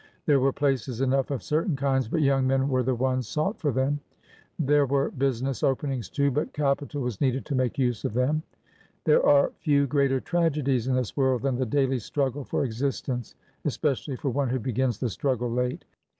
There were places enough of certain kinds, but young men were the ones sought for them. There were business openings, too, but capital was needed to make use of them. There are few greater tragedies in this world than the daily struggle for existence, especially for one who begins the struggle late.